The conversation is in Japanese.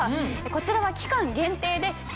こちらは期間限定で。